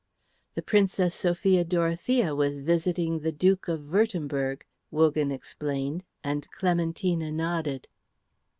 "The Princess Sophia Dorothea was visiting the Duke of Würtemberg," Wogan explained, and Clementina nodded.